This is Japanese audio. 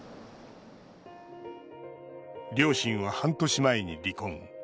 両親は半年前に離婚。